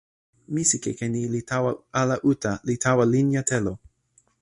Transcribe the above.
misikeke ni li tawa ala uta, li tawa linja telo.